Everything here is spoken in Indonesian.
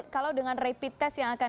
kalau dengan rapid test yang akan